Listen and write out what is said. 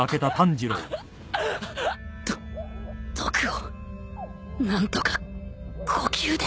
ど毒を何とか呼吸で